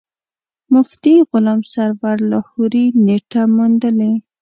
مفتي غلام سرور لاهوري نېټه موندلې.